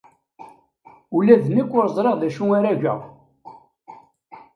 Ula d nekk ur ẓriɣ d acu ara geɣ.